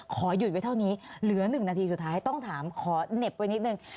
ขอหยุดไว้เท่านี้เหลือ๑นาทีสุดท้ายต้องถามขอเหน็บไว้นิดนึง